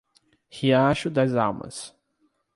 Riacho das Almas